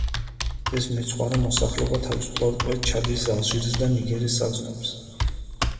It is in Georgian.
ეს მეცხვარე მოსახლეობა თავისუფლად კვეთს ჩადის, ალჟირის და ნიგერის საზღვრებს.